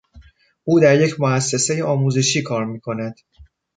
او در یک موسسهی آموزشی کار میکند.